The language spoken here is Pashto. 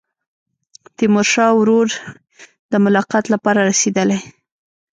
تیمورشاه ورور د ملاقات لپاره رسېدلی.